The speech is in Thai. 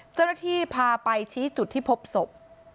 เจ้าหน้าที่พาไปชี้จุดที่พบศพ